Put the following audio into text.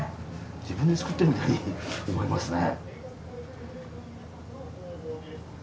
自分で作ってるみたいに思えますね。